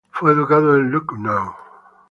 Fue educado en Lucknow.